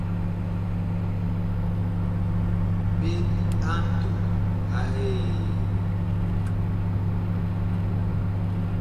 Ɓet a ntom a Eee.